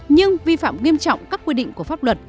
nhưng vi phạm nghiêm trọng các quy định của pháp luật